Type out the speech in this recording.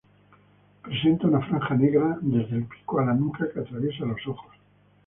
Presenta una franja negra desde el pico a la nuca que atraviesa los ojos.